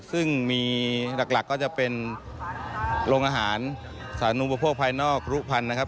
ซึ่งมีหลักก็จะเป็นโรงอาหารสานุปโภคภายนอกรุพันธ์นะครับ